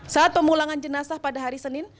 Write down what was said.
saat pemulangan jenazah pada hari senin